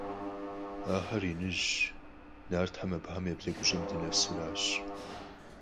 Ахэр иныжьщ. Нартхэр абыхэм я блэгущӀэм дынэсу аращ.